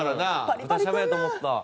豚しゃぶやと思った。